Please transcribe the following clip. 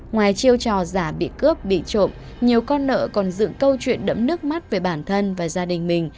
ngoài chiêu trò giả bị cướp bị trộm nhiều con nợ còn dựng câu chuyện đẫm nước mắt về bản thân và gia đình mình